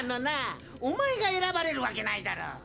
おまえが選ばれるわけないだろ。